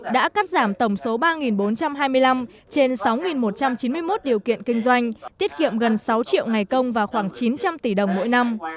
đã cắt giảm tổng số ba bốn trăm hai mươi năm trên sáu một trăm chín mươi một điều kiện kinh doanh tiết kiệm gần sáu triệu ngày công và khoảng chín trăm linh tỷ đồng mỗi năm